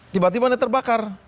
tiba tiba dia terbakar